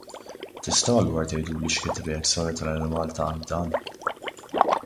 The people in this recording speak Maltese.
Tistgħu allura tgħiduli x'kienet ir-reazzjoni tal-Enemalta għal dan?